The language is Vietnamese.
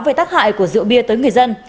về tác hại của rượu bia tới người dân